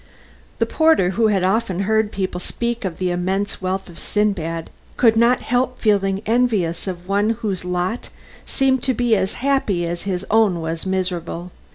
The porter, who had often heard people speak of the immense wealth of Sindbad, could not help feeling envious of one whose lot seemed to be as happy as his own was miserable.